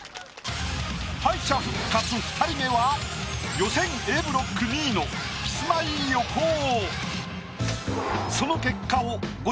敗者復活２人目は予選Ａブロック２位のキスマイ横尾。